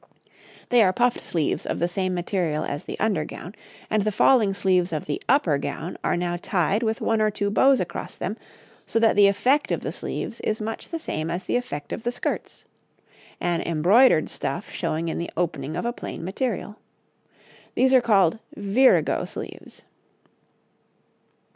They are puffed sleeves of the same material as the under gown, and the falling sleeves of the upper gown are now tied with one or two bows across them so that the effect of the sleeves is much the same as the effect of the skirts; an embroidered stuff showing in the opening of a plain material. These are called virago sleeves.